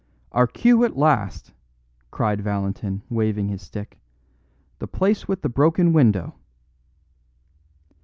"Our cue at last," cried Valentin, waving his stick; "the place with the broken window."